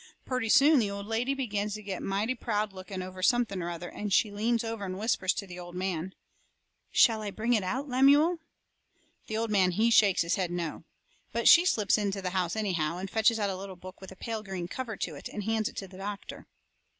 Purty soon the old lady begins to get mighty proud looking over something or other, and she leans over and whispers to the old man: "Shall I bring it out, Lemuel?" The old man, he shakes his head, no. But she slips into the house anyhow, and fetches out a little book with a pale green cover to it, and hands it to the doctor.